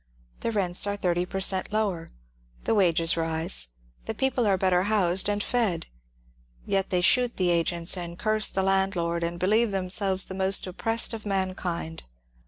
The rents are thirty per cent, lower, the wages rise, the people are better housed and fed. Yet they shoot the agents and curse the landlord and be lieve themselves the most oppressed of mankind.